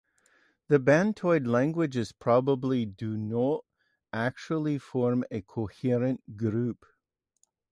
The Bantoid languages probably do not actually form a coherent group.